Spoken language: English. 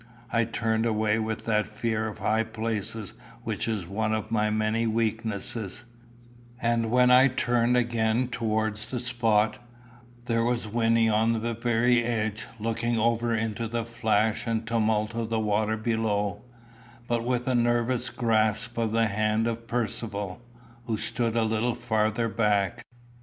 I turned away with that fear of high places which is one of my many weaknesses; and when I turned again towards the spot, there was Wynnie on the very edge, looking over into the flash and tumult of the water below, but with a nervous grasp of the hand of Percivale, who stood a little farther back.